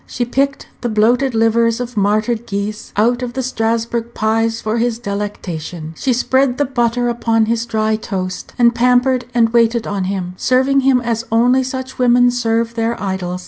She picked the bloated livers of martyred geese out of the Strasburgh pies for his delectation; she spread the butter upon his dry toast, and pampered and waited on him, serving him as only such women serve their idols.